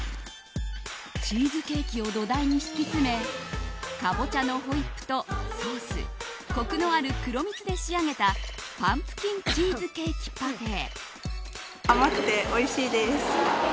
チーズケーキを土台に敷き詰めカボチャのホイップとソースコクのある黒蜜で仕上げたパンプキンチーズケーキパフェ。